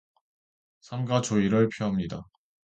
삼가 조의를 표합니다.